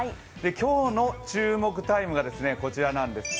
今日の注目タイムがこちらなんです。